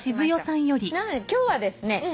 なので今日はですね